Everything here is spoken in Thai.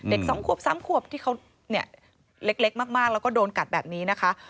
เด็ก๒ขวบ๓ขวบตรงนี้เล็กมากแล้วก็โดนกัดแบบนี้นะคะ